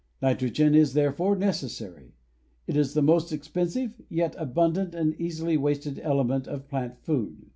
Nitrogen is, therefore, necessary; it is the most expensive, yet abundant and easily wasted, element of plant food.